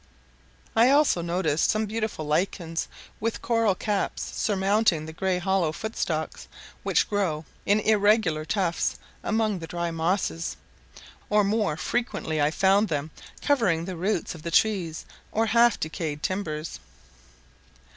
I also noticed some beautiful lichens, with coral caps surmounting the grey hollow footstalks, which grow in irregular tufts among the dry mosses, or more frequently I found them covering the roots of the trees or half decayed timbers.